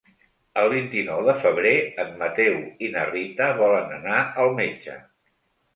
El vint-i-nou de febrer en Mateu i na Rita volen anar al metge.